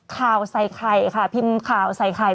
ข่าวใส่ไข่ค่ะพิมพ์ข่าวใส่ไข่